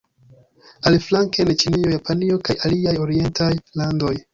Aliflanke en Ĉinio, Japanio kaj aliaj orientaj landoj.